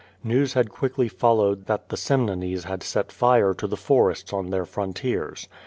News had quickly followed that the Semnones had set fire to the forests on their frontiers.